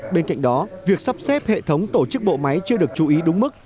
bên cạnh đó việc sắp xếp hệ thống tổ chức bộ máy chưa được chú ý đúng mức